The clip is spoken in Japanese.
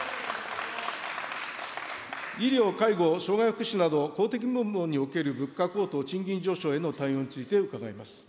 医療、介護、障害福祉など公的部門における物価高騰、賃金上昇への対応について伺います。